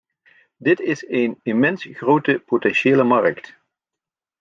Dit is een immens grote potentiële markt.